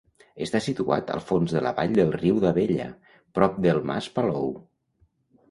Està situat al fons de la vall del riu d'Abella, prop del Mas Palou.